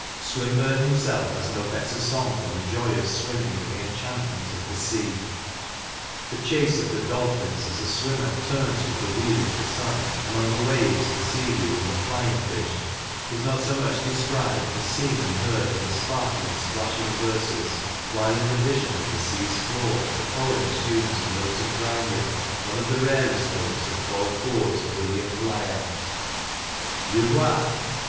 Swinburne himself has no better song on the joy of swimming and the enchantment of the sea. The chase of the dolphins as the swimmer " turns with the wheel of the sun " among the waves, the seaweed, and the flying fish, is not so much de scribed, as seen and heard in the sparkling, splashing verses, while in the vision of the sea's floor the poem assumes a note of grandeur one of the rarest notes of Paul Fort's brilliant lyre: Je vois